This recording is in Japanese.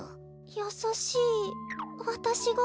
やさしいわたしが？